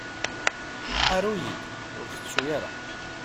Aru-yi-d, ur tettuy ara!